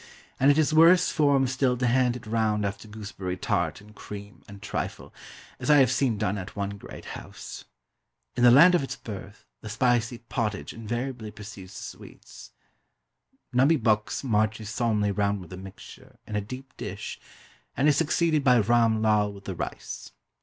And it is worse form still to hand it round after gooseberry tart and cream, and trifle, as I have seen done at one great house. In the land of its birth, the spicy pottage invariably precedes the sweets. Nubbee Bux marches solemnly round with the mixture, in a deep dish, and is succeeded by Ram Lal with the rice.